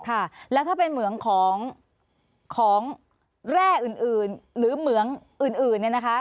ค่ะแล้วถ้าเป็นเหมืองของแร่อื่นหรือเหมืองอื่นเนี่ยนะคะ